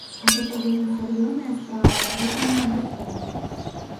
Гэта вельмі сур'ёзная справа, гэта не абы-што.